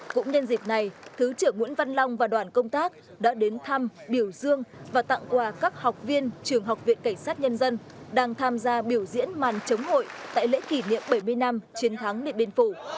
cũng nhân dịp này thứ trưởng nguyễn văn long và đoàn công tác đã đến thăm biểu dương và tặng quà các học viên trường học viện cảnh sát nhân dân đang tham gia biểu diễn màn chống hội tại lễ kỷ niệm bảy mươi năm chiến thắng điện biên phủ